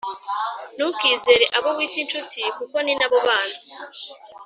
ntukizere abo wita inshuti kuko ninabo banzi